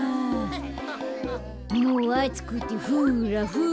もうあつくてフラフラ。